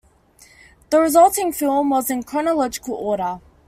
The resulting film was in chronological order.